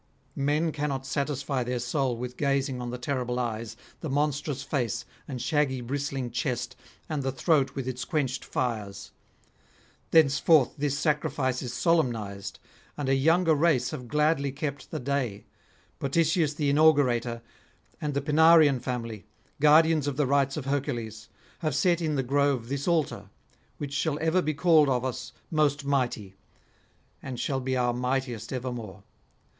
Men cannot satisfy their soul with gazing on the terrible eyes, the monstrous face and shaggy bristling chest, and the throat with its quenched fires. Thenceforth this sacrifice is solemnised, and a younger race have gladly kept the day; Potitius the inaugurator, and the Pinarian family, guardians of the rites of Hercules, have set in the grove this altar, which shall ever be called of us Most Mighty, and shall be our mightiest evermore.